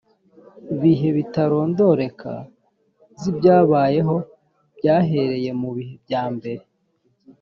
bihe bitarondoreka z ibyabayeho byahereye mu bihe byambere